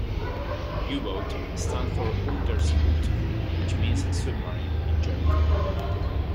U-boat stands for Unterseeboot, which means submarine in German.